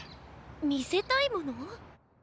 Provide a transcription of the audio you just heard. みせたいもの？